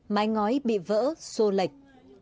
mái ngói bị vỡ xô lệch